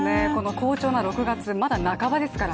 好調な６月、まだ半ばですから。